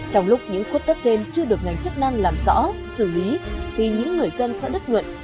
trong lúc những khuất tất trên chưa được ngành chức năng làm rõ xử lý thì những người dân sẽ đất nguyện